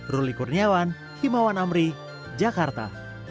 ruli kurniawan himawan amri jakarta